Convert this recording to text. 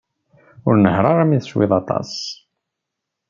Ur nehher ara mi teswiḍ aṭas.